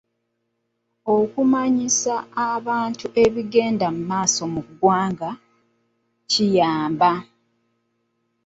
Okumanyisa abantu ebigenda mu maaso mu ggwanga kiyamba.